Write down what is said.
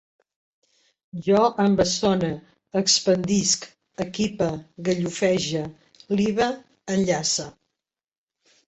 Jo embessone, expandisc, equipe, gallofege, libe, enllace